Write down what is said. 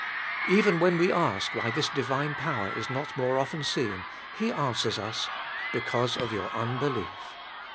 Even when we ask why this divine power is not more often seen, He answers us: "Because of your unbelief."